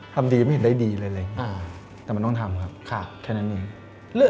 ทำดีไม่เห็นได้ดีอะไรแบบนี้แต่มันต้องทำครับค่ะแค่นั้นหนึ่ง